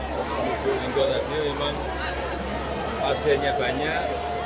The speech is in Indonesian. lalu lindung tadi memang pasiennya banyak